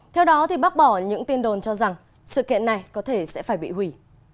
theo đó bác bỏ những tin đồn cho rằng sự kiện này có thể sẽ phải bị hủy